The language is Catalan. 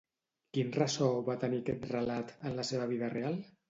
Quin ressò va tenir aquest relat en la vida real?